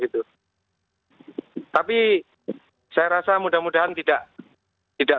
tapi saya rasa mudah mudahan tidak